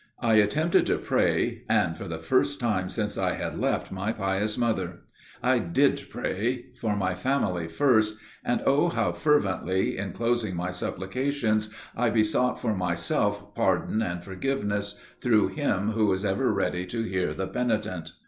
I attempted to pray, and for the first time since I had left my pious mother. I did pray for my family first and oh how fervently, in closing my supplications, I besought for myself pardon and forgiveness through Him who is ever ready to hear the penitent!